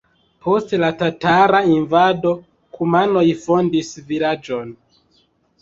Post la tatara invado kumanoj fondis vilaĝon.